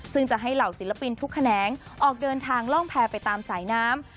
ซึ่งจะให้เหล่าศิลปินทุกแขนงออกเดินทางล่องแพร่ไปตามสายน้ำ